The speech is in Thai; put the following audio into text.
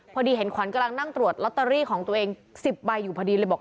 พอดีเห็นขวัญกำลังนั่งตรวจลอตเตอรี่ของตัวเอง๑๐ใบอยู่พอดีเลยบอก